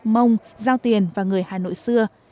mông giao tiền và người hà nội xưa